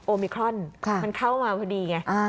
โอมิครอนค่ะมันเข้ามาพอดีไงอ่า